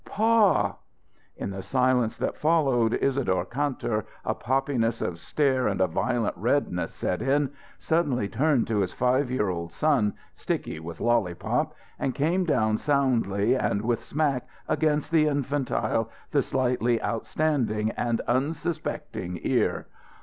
"Pa!" In the silence that followed, Isadore Kantor, a poppiness of stare and a violent redness set in, suddenly turned to his five year old son, sticky with lollypop, and came down soundly and with smack against the infantile, the slightly outstanding, and unsuspecting ear.